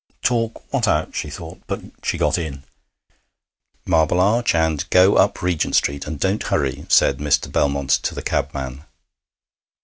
'Talk what out?' she thought. But she got in. 'Marble Arch, and go up Regent Street, and don't hurry,' said Mr. Belmont to the cabman.